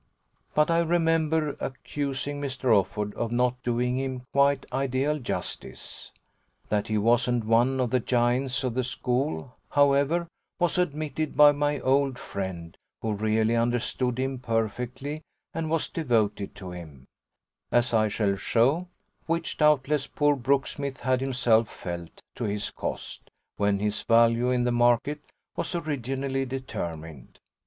But I remember accusing Mr. Offord of not doing him quite ideal justice. That he wasn't one of the giants of the school, however, was admitted by my old friend, who really understood him perfectly and was devoted to him, as I shall show; which doubtless poor Brooksmith had himself felt, to his cost, when his value in the market was originally determined.